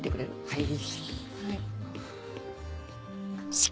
はい。